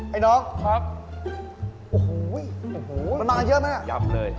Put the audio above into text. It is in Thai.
ไอ้น้องครับโอ้โหมันมากันเยอะไหมอ่ะยับเลย